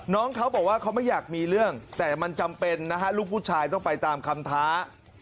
น้องเขาบอกว่าเขาไม่อยากมีเรื่องแต่มันจำเป็นนะฮะลูกผู้ชายต้องไปตามคำท้า